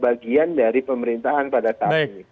adalah bagian dari pemerintahan pada tahun ini